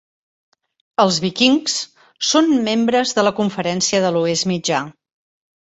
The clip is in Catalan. Els Vikings són membres de la Conferència de l'Oest Mitjà.